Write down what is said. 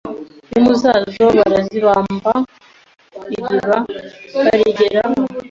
impu zazo barazibamba iriba barigeraho